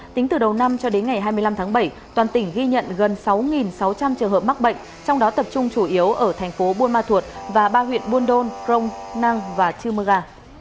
tính từ đầu năm cho đến ngày hai mươi năm tháng bảy toàn tỉnh ghi nhận gần sáu sáu trăm linh trường hợp mắc bệnh trong đó tập trung chủ yếu ở thành phố buôn ma thuột và ba huyện buôn đôn crong năng và chư mơ ga